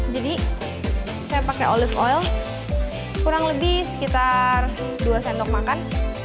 jadi saya pakai olive oil kurang lebih sekitar dua sendok makan